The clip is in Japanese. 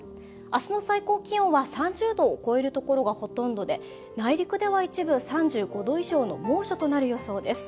明日の最高気温は３０度を超えるところがほとんどで、内陸では一部３５度以上の猛暑となる予想です。